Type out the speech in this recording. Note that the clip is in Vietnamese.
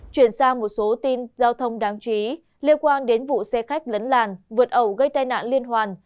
chuyển sang một số tin giao thông đáng chú ý liên quan đến vụ xe khách lấn làn vượt ẩu gây tai nạn liên hoàn